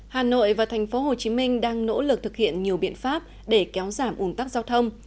hà nội và tp hcm đang nỗ lực thực hiện nhiều biện pháp để kéo giảm ủn tắc giao thông